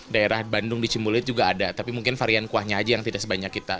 daerah bandung di cimbulit juga ada tapi mungkin varian kuahnya aja yang tidak sebanyak kita